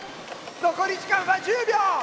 残り時間は１０秒！